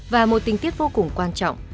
và một tinh tiết vô cùng quan trọng